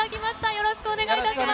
よろしくお願いします。